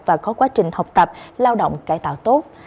và có quá trình học tập lao động cải tạo tốt